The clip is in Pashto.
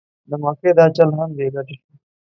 د مکۍ دا چل هم بې ګټې شو.